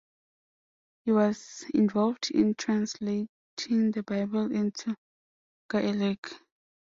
He was involved in translating the Bible into Gaelic.